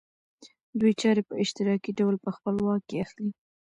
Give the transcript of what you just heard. دوی چارې په اشتراکي ډول په خپل واک کې اخلي